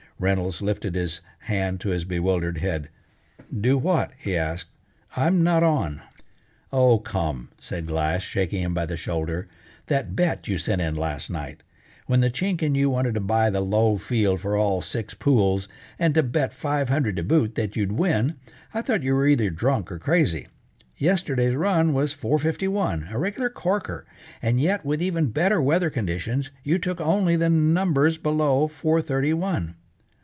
Reynolds lifted his hand to his bewildered head. "Do what?" he asked dully. "I'm not on." "Oh, come!" said Glass, shaking him by the shoulder; "that bet you sent in last night! When the Chink said you wanted to buy the low field for all six pools, and to bet five hundred to boot that you'd win, I thought you were either drunk or crazy. Yesterday's run was four fifty one, a regular corker, and yet with even better weather conditions, you took only the numbers below four thirty one.